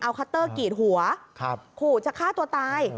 เอาคัตเตอร์กรีดหัวขู่จะฆ่าตัวตาย